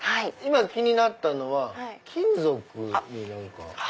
今気になったのは金属に。